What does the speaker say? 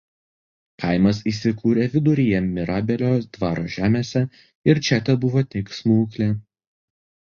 Kaimas įsikūrė viduryje Mirabelio dvaro žemėse ir čia tebuvo tik smuklė.